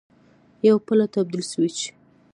یو پله تبدیل سویچ